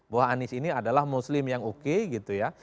bahwa anies ini adalah muslim yang oke gitu ya